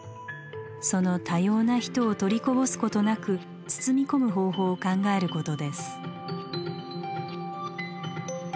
その多様な人を取りこぼすことなく包み込む方法を考えることです。